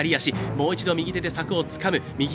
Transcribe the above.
もう一度右手で柵をつかむ。